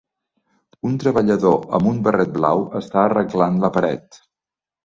Un treballador amb un barret blau està arreglant la paret.